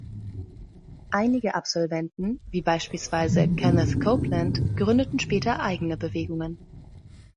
Einige Absolventen wie beispielsweise Kenneth Copeland gründeten später eigene Bewegungen.